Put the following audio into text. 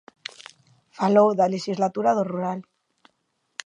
Falou da lexislatura do rural.